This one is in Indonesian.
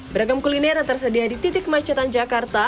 beragam kuliner yang tersedia di titik macetan jakarta